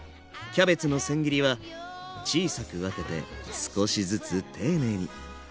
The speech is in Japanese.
キャベツのせん切りは小さく分けて少しずつ丁寧に。